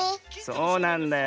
そうなんだよ。